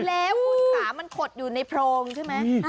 แล้วคุณขามันขดอยู่ในโพรงใช่ไหม